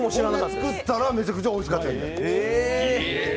ほんで打ったらめちゃくちゃおいしかったと。